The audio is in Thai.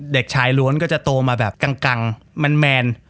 เด็กชายล้วนก็จะโตมาแบบกังแมน